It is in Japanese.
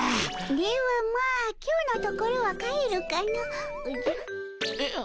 ではまあ今日のところは帰るかの。おじゃ。え？